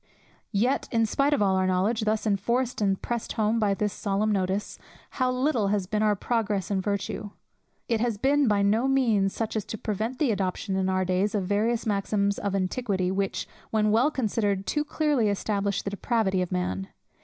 Yet, in spite of all our knowledge thus enforced and pressed home by this solemn notice, how little has been our progress in virtue? It has been by no means such as to prevent the adoption, in our days, of various maxims of antiquity, which, when well considered, too clearly establish the depravity of man.